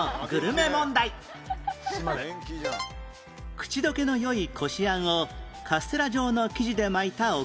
口溶けの良いこし餡をカステラ状の生地で巻いたお菓子